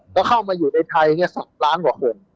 แล้วเข้ามาอยู่ในไทยเนี่ย๓ล้านกว่าคน